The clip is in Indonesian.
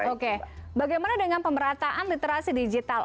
oke bagaimana dengan pemerataan literasi digital